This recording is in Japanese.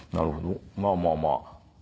まあまあまあ。